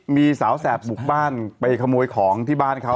มีสาวแสบบุกบ้านไปขโมยของที่บ้านเขา